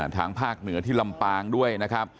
ทางภาคเหนือที่ลำปางด้วยนะครับ